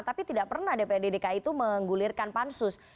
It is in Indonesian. tapi tidak pernah dprd dki itu menggulirkan pansus